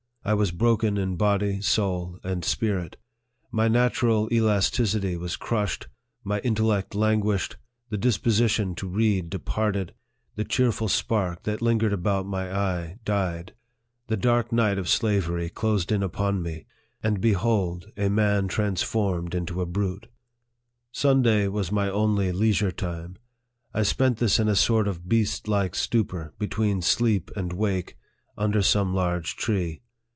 I was broken in body, soul, and spirit My natural elasticity was crushed, my intellect languished, the disposition to read departed, the cheerful spark that lingered about my eye died ; the dark night of slavery closed in upon me ; and behold a man transformed into a brute ! Sunday was my only leisure time. I spent this in a sort of beast like stupor, between sleep and wake, under some large tree.